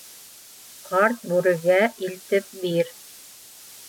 — Ҡарт бүрегә илтеп бир!